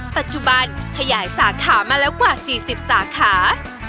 ปัจจุบันขยายสาขามาแล้วกว่า๔๐สาขา